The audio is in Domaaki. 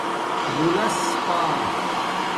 بُولس پݳ